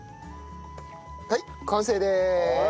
はい完成です。